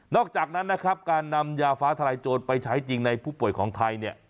อกจากนั้นนะครับการนำยาฟ้าทลายโจรไปใช้จริงในผู้ป่วยของไทยเนี่ย